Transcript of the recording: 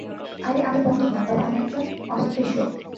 আরে, আমি পন্ডিত না, তবে আমি একজন অস্পৃশ্য!